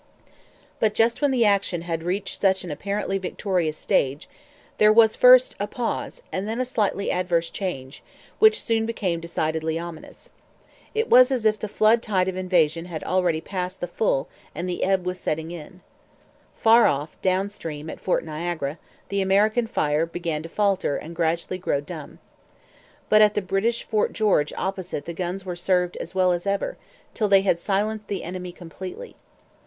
But, just when the action had reached such an apparently victorious stage, there was, first, a pause, and then a slightly adverse change, which soon became decidedly ominous. It was as if the flood tide of invasion had already passed the full and the ebb was setting in. Far off, down stream, at Fort Niagara, the American fire began to falter and gradually grow dumb. But at the British Fort George opposite the guns were served as well as ever, till they had silenced the enemy completely.